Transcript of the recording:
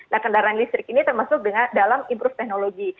nah kendaraan listrik ini termasuk dalam improve teknologi